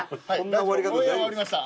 終わりました。